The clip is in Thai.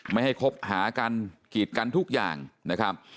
ไม่ให้คบหากันกีดกันทุกอย่างนะครับ